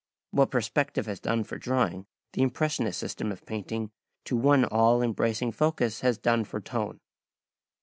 What perspective has done for drawing, the impressionist system of painting to one all embracing focus has done for tone.